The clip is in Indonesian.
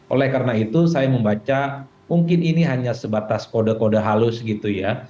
oleh karena itu saya membaca mungkin ini hanya sebatas kode kode halus gitu ya